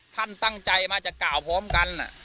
ท่านตั้งใจมาจะกล่าวพร้อมกัน